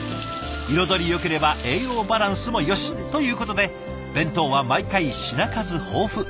彩りよければ栄養バランスもよしということで弁当は毎回品数豊富。